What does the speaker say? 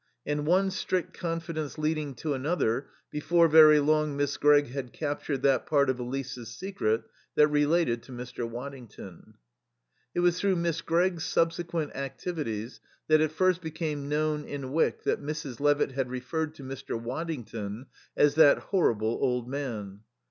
And one strict confidence leading to another, before very long Miss Gregg had captured that part of Elise's secret that related to Mr. Waddington. It was through Miss Gregg's subsequent activities that it first became known in Wyck that Mrs. Levitt had referred to Mr. Waddington as "that horrible old man."